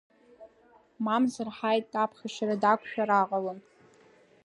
Мамзар, Ҳаиҭ аԥхашьара дақәшәар аҟалон.